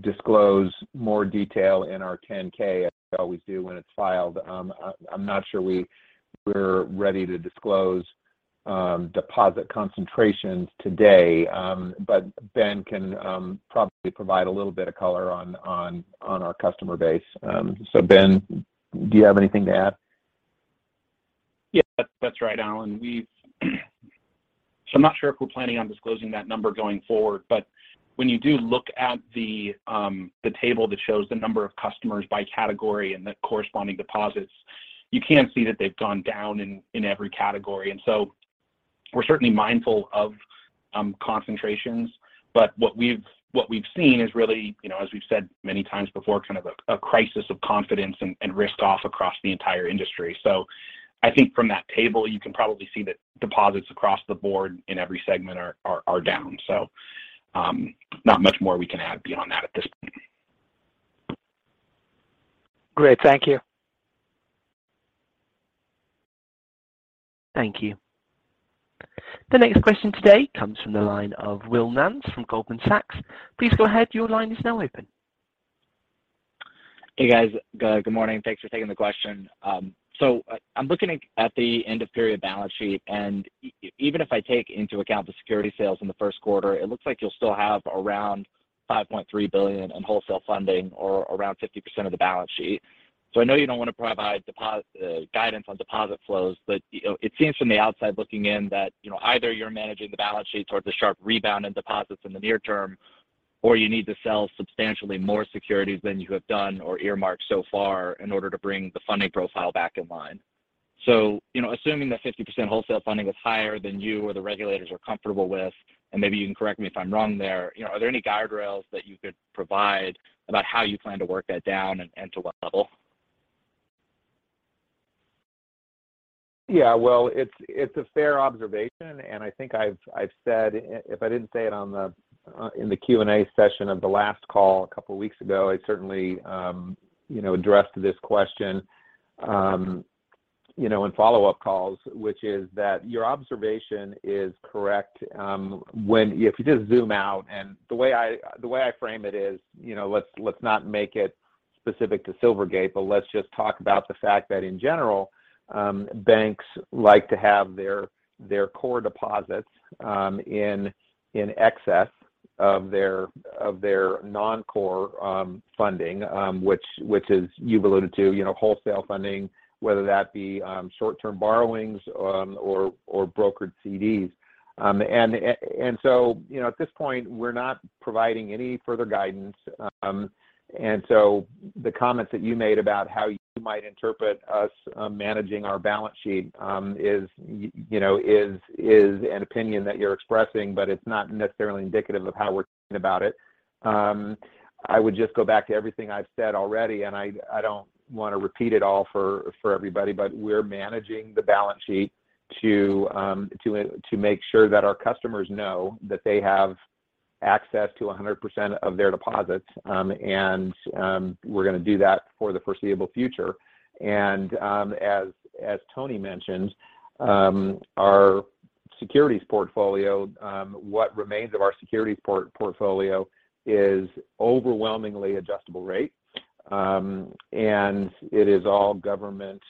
disclose more detail in our 10-K as we always do when it's filed. I'm not sure we're ready to disclose deposit concentrations today. Ben can probably provide a little bit of color on our customer base. Ben, do you have anything to add? Yeah, that's right, Alan. I'm not sure if we're planning on disclosing that number going forward, but when you do look at the table that shows the number of customers by category and the corresponding deposits, you can see that they've gone down in every category. We're certainly mindful of concentrations. What we've seen is really, you know, as we've said many times before, kind of a crisis of confidence and risk off across the entire industry. I think from that table you can probably see that deposits across the board in every segment are down. Not much more we can add beyond that at this point. Great. Thank you. Thank you. The next question today comes from the line of Will Nance from Goldman Sachs. Please go ahead. Your line is now open. Hey, guys. good morning. Thanks for taking the question. I'm looking at the end of period balance sheet, and even if I take into account the security sales in the first quarter, it looks like you'll still have around $5.3 billion in wholesale funding or around 50% of the balance sheet. I know you don't want to provide guidance on deposit flows, but, you know, it seems from the outside looking in that, you know, either you're managing the balance sheet towards a sharp rebound in deposits in the near term, or you need to sell substantially more securities than you have done or earmarked so far in order to bring the funding profile back in line. you know, assuming that 50% wholesale funding is higher than you or the regulators are comfortable with, and maybe you can correct me if I'm wrong there, you know, are there any guardrails that you could provide about how you plan to work that down and to what level? Yeah. Well, it's a fair observation, and I think I've said, if I didn't say it on the in the Q&A session of the last call a couple of weeks ago, I certainly, you know, addressed this question, you know, in follow-up calls, which is that your observation is correct. If you just zoom out and the way I frame it is, you know, let's not make it specific to Silvergate, but let's just talk about the fact that in general, banks like to have their core deposits in excess of their non-core funding, which is you've alluded to, you know, wholesale funding, whether that be short-term borrowings or brokered CDs. So, you know, at this point, we're not providing any further guidance. The comments that you made about how you might interpret us, managing our balance sheet, is you know, is an opinion that you're expressing, but it's not necessarily indicative of how we're thinking about it. I would just go back to everything I've said already, and I don't want to repeat it all for everybody. We're managing the balance sheet to make sure that our customers know that they have access to 100% of their deposits. We're gonna do that for the foreseeable future. As Tony mentioned, our securities portfolio, what remains of our securities portfolio is overwhelmingly adjustable rate, and it is all government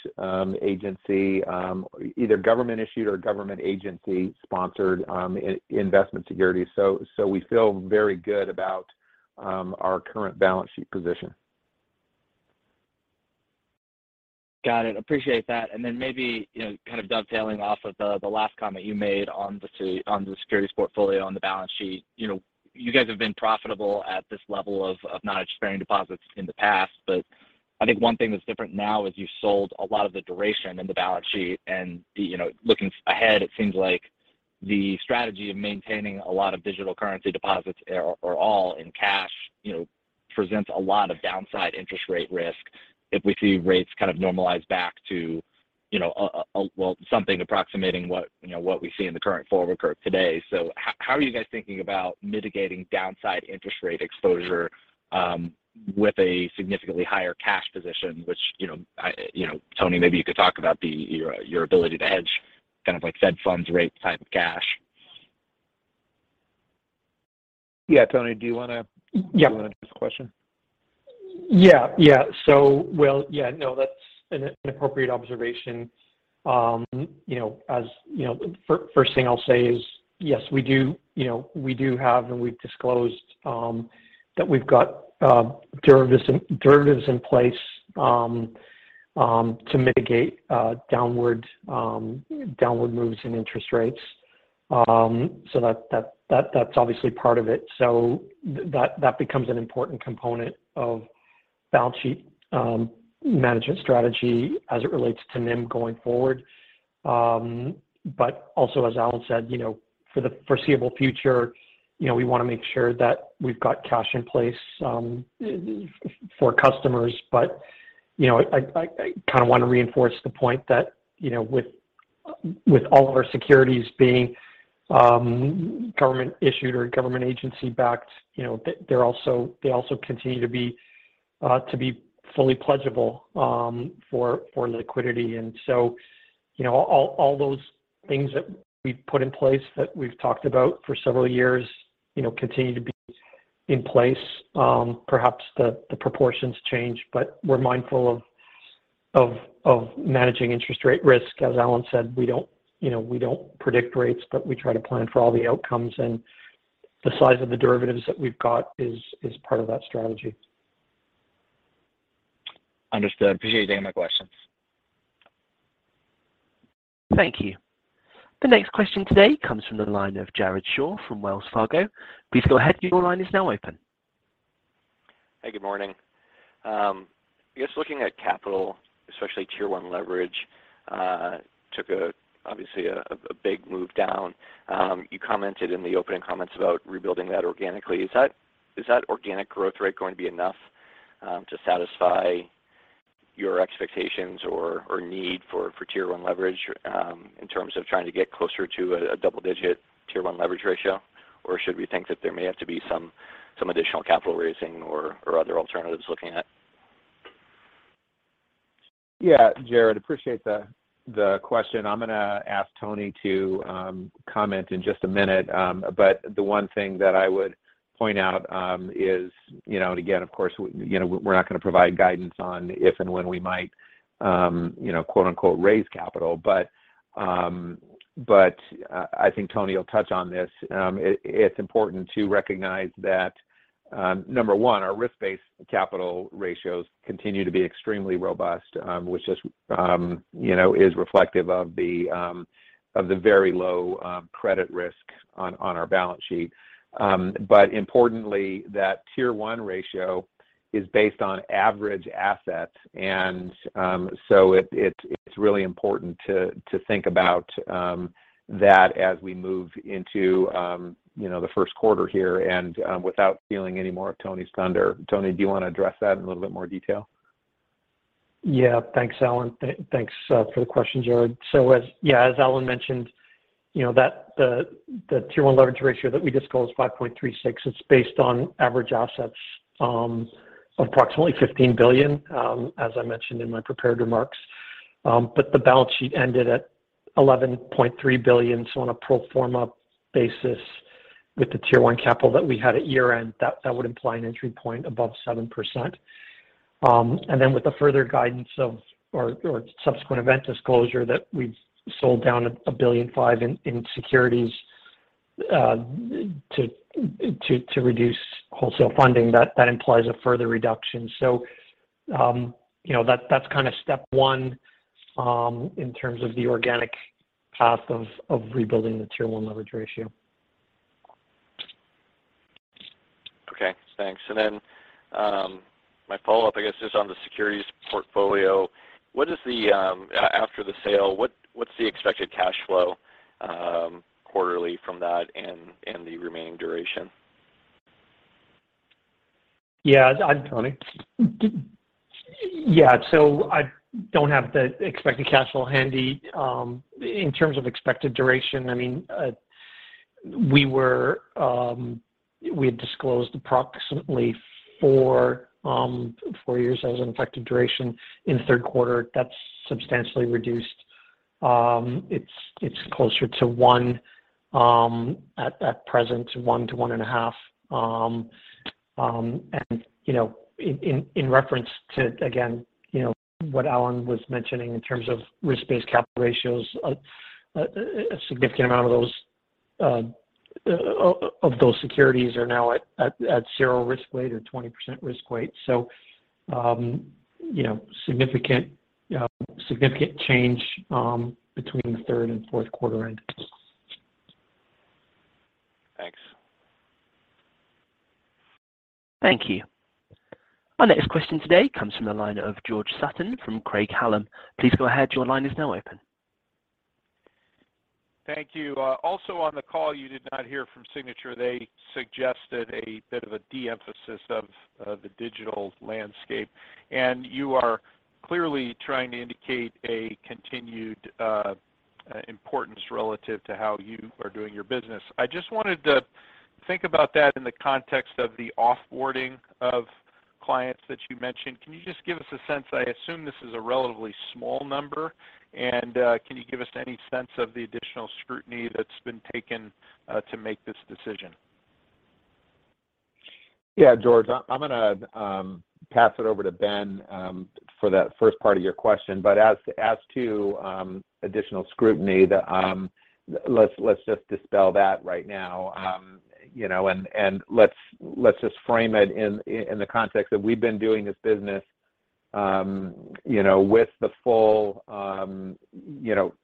agency, either government-issued or government agency-sponsored investment securities. We feel very good about our current balance sheet position. Got it. Appreciate that. Maybe, you know, kind of dovetailing off of the last comment you made on the securities portfolio on the balance sheet. You know, you guys have been profitable at this level of non-interest-bearing deposits in the past, but I think one thing that's different now is you've sold a lot of the duration in the balance sheet and the, you know, looking ahead, it seems like the strategy of maintaining a lot of digital currency deposits or all in cash, you know, presents a lot of downside interest rate risk if we see rates kind of normalize back to, you know, a well, something approximating what, you know, what we see in the current forward curve today. How, how are you guys thinking about mitigating downside interest rate exposure, with a significantly higher cash position, which, you know, I, you know, Tony, maybe you could talk about your ability to hedge kind of like fed funds rate type of cash? Yeah. Tony, do you? Yeah. Do you wanna answer the question? Yeah. Yeah. Well, yeah, no, that's an appropriate observation. You know, first thing I'll say is, yes, we do, you know, we do have and we've disclosed that we've got derivatives in place to mitigate downward moves in interest rates. That's obviously part of it. That becomes an important component of balance sheet management strategy as it relates to NIM going forward. Also, as Alan said, you know, for the foreseeable future, you know, we wanna make sure that we've got cash in place for customers. You know, I kind of want to reinforce the point that, you know, with all of our securities being government-issued or government agency-backed, you know, they also continue to be fully pledgeable for liquidity. You know, all those things that we've put in place that we've talked about for several years, you know, continue to be in place. Perhaps the proportions change, but we're mindful of managing interest rate risk. As Alan said, we don't, you know, we don't predict rates, but we try to plan for all the outcomes. The size of the derivatives that we've got is part of that strategy. Understood. Appreciate you taking my questions. Thank you. The next question today comes from the line of Jared Shaw from Wells Fargo. Please go ahead. Your line is now open. Good morning. I guess looking at capital, especially Tier 1 leverage, took a obviously a big move down. You commented in the opening comments about rebuilding that organically. Is that organic growth rate going to be enough to satisfy your expectations or need for Tier 1 leverage in terms of trying to get closer to a double-digit Tier 1 leverage ratio? Should we think that there may have to be some additional capital raising or other alternatives looking at? Yeah. Jared, appreciate the question. I'm gonna ask Tony to comment in just a minute. The one thing that I would point out is, you know, and again, of course, you know, we're not gonna provide guidance on if and when we might, you know, quote-unquote, "raise capital." I think Tony will touch on this. It's important to recognize that number one, our risk-based capital ratios continue to be extremely robust, which is, you know, is reflective of the very low credit risk on our balance sheet. Importantly, that Tier One ratio is based on average assets. It's really important to think about that as we move into, you know, the first quarter here. Without stealing any more of Tony's thunder, Tony, do you wanna address that in a little bit more detail? Thanks, Alan. Thanks for the question, Jared. As Alan mentioned, you know, the Tier One leverage ratio that we disclosed, 5.36%, it's based on average assets of approximately $15 billion, as I mentioned in my prepared remarks. But the balance sheet ended at $11.3 billion. On a pro forma basis with the Tier One capital that we had at year-end, that would imply an entry point above 7%. And then with the further guidance or subsequent event disclosure that we've sold down $1.5 billion in securities to reduce wholesale funding, that implies a further reduction. You know, that's kind of step one in terms of the organic path of rebuilding the Tier One leverage ratio. Okay, thanks. My follow-up, I guess, just on the securities portfolio. After the sale, what's the expected cash flow quarterly from that and the remaining duration? Tony? Yeah. I don't have the expected cash flow handy. In terms of expected duration, I mean, we had disclosed approximately four years as an effective duration in the third quarter. That's substantially reduced. It's closer to one at present, one to 1.5. You know, in reference to, again, you know, what Alan was mentioning in terms of risk-based capital ratios, a significant amount of those securities are now at zero risk weight or 20% risk weight. You know, significant change between the third and fourth quarter end. Thanks. Thank you. Our next question today comes from the line of George Sutton from Craig-Hallum. Please go ahead. Your line is now open. Thank you. Also on the call, you did not hear from Signature. They suggested a bit of a de-emphasis of the digital landscape, and you are clearly trying to indicate a continued importance relative to how you are doing your business. I just wanted to think about that in the context of the off-boarding of clients that you mentioned. Can you just give us a sense, I assume this is a relatively small number, and can you give us any sense of the additional scrutiny that's been taken to make this decision? Yeah, George, I'm gonna pass it over to Ben for that first part of your question. As to additional scrutiny, let's just dispel that right now. You know, and let's just frame it in the context of we've been doing this business, you know, with the full, you know,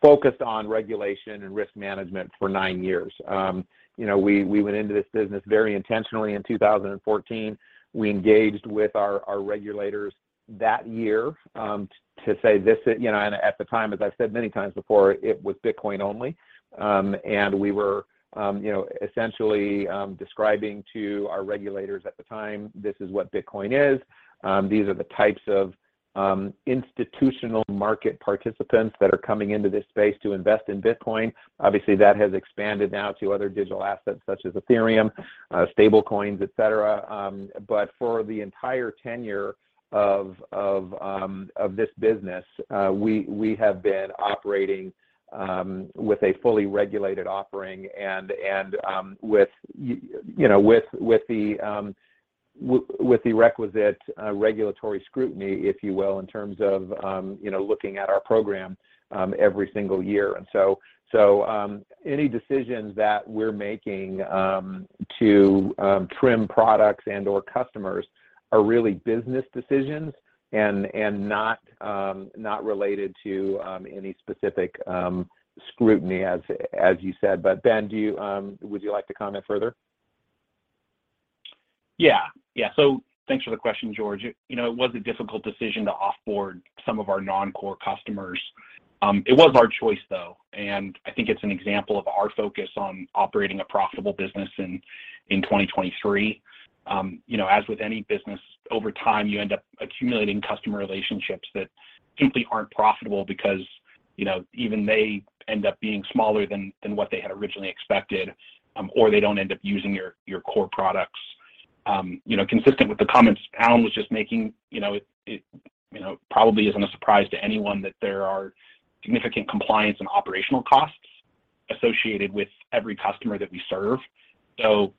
focused on regulation and risk management for nine years. You know, we went into this business very intentionally in 2014. We engaged with our regulators that year to say this is. You know, and at the time, as I've said many times before, it was Bitcoin only. We were, you know, essentially describing to our regulators at the time, this is what Bitcoin is. These are the types of institutional market participants that are coming into this space to invest in Bitcoin. Obviously, that has expanded now to other digital assets such as Ethereum, stablecoins, et cetera. For the entire tenure of this business, we have been operating with a fully regulated offering and with you know, with the requisite regulatory scrutiny, if you will, in terms of you know, looking at our program every single year. Any decisions that we're making to trim products and/or customers are really business decisions and not related to any specific scrutiny as you said. Ben, do you would you like to comment further? Yeah. Yeah. Thanks for the question, George. You know, it was a difficult decision to off-board some of our non-core customers. It was our choice, though, and I think it's an example of our focus on operating a profitable business in 2023. You know, as with any business, over time, you end up accumulating customer relationships that simply aren't profitable because, you know, even they end up being smaller than what they had originally expected, or they don't end up using your core products. You know, consistent with the comments Alan was just making, you know, it, you know, probably isn't a surprise to anyone that there are significant compliance and operational costs associated with every customer that we serve.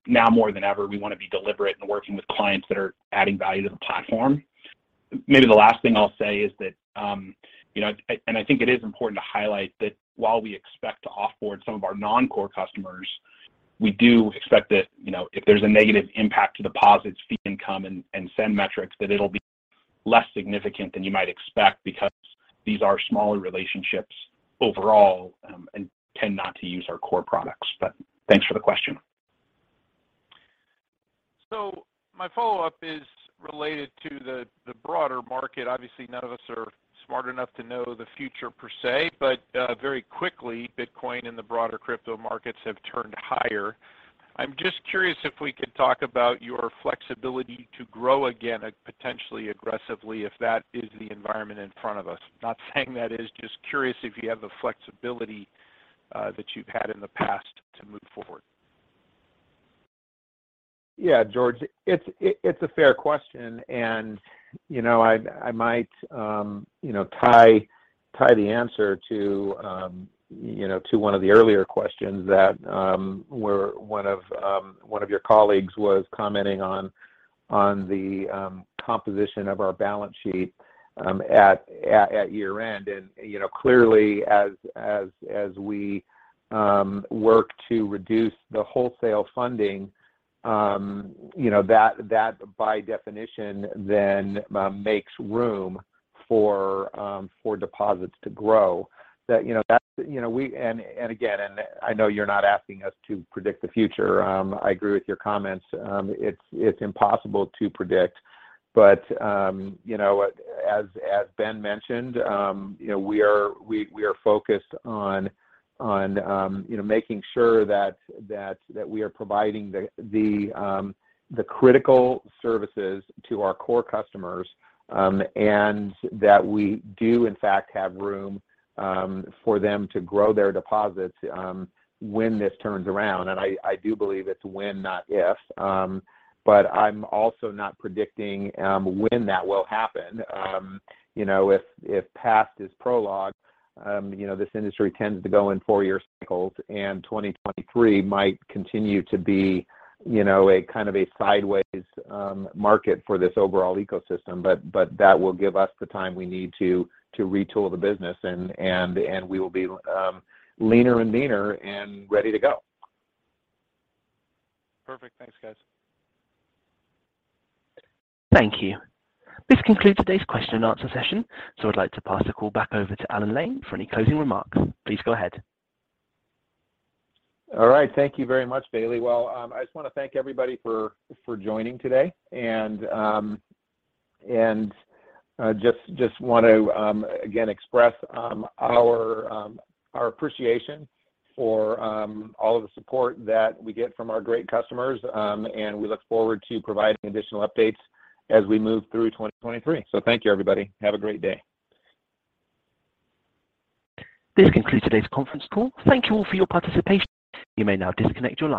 Now more than ever, we wanna be deliberate in working with clients that are adding value to the platform. Maybe the last thing I'll say is that, you know, and I think it is important to highlight that while we expect to off-board some of our non-core customers, we do expect that, you know, if there's a negative impact to deposits, fee income, and SEN metrics, that it'll be less significant than you might expect because these are smaller relationships overall, and tend not to use our core products. Thanks for the question. My follow-up is related to the broader market. Obviously, none of us are smart enough to know the future per se, but very quickly, Bitcoin and the broader crypto markets have turned higher. I'm just curious if we could talk about your flexibility to grow again, potentially aggressively, if that is the environment in front of us. Not saying that is. Just curious if you have the flexibility that you've had in the past to move forward. Yeah, George. It's a fair question. You know, I might, you know, tie the answer to, you know, to one of the earlier questions that, where one of your colleagues was commenting on the composition of our balance sheet, at year-end. You know, clearly, as we work to reduce the wholesale funding, you know, that by definition then, makes room for deposits to grow. That, you know, that's, you know, we... Again, and I know you're not asking us to predict the future. I agree with your comments. It's impossible to predict. You know, as Ben mentioned, you know, we are focused on, you know, making sure that we are providing the critical services to our core customers, and that we do in fact have room for them to grow their deposits when this turns around. I do believe it's when, not if. I'm also not predicting when that will happen. You know, if past is prologue, you know, this industry tends to go in four-year cycles, and 2023 might continue to be, you know, a kind of a sideways market for this overall ecosystem. That will give us the time we need to retool the business and we will be leaner and meaner and ready to go. Perfect. Thanks, guys. Thank you. This concludes today's question and answer session. I'd like to pass the call back over to Alan Lane for any closing remarks. Please go ahead. All right. Thank you very much, Bailey. Well, I just wanna thank everybody for joining today and just want to again, express our appreciation for all of the support that we get from our great customers. We look forward to providing additional updates as we move through 2023. Thank you, everybody. Have a great day. This concludes today's conference call. Thank you all for your participation. You may now disconnect your lines.